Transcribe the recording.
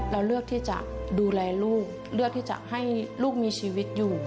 เราเลือกที่จะดูแลลูกเลือกที่จะให้ลูกมีชีวิตอยู่